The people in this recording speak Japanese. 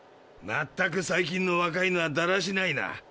まったく最近の若いのはだらしないな。